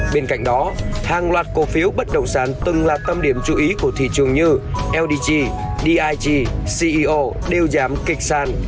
bên cạnh đó hàng loạt cổ phiếu bất động sản từng là tâm điểm chú ý của thị trường như ldg dig ceo đều giảm kịch sàn